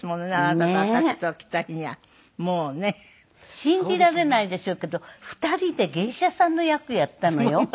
信じられないでしょうけど２人で芸者さんの役やったのよ。